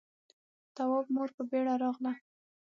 تواب مور په بيړه راغله.